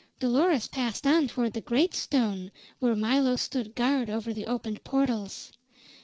Dolores passed on toward the great stone, where Milo stood guard over the opened portals.